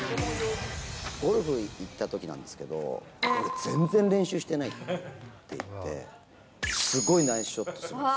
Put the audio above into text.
ゴルフ行ったときなんですけど、全然練習してないって言って、すごいナイスショットしてたんです。